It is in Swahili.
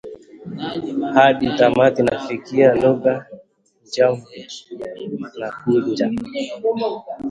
Hadi tamati nafika, langu jamvi nakunja